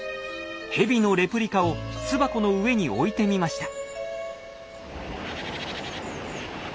ヘビのレプリカを巣箱の上に置いてみました。